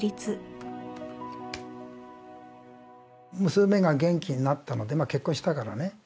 娘が元気になったのでまあ結婚したからね。